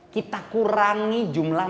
kita kurangi jumlah